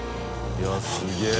いやすげぇ。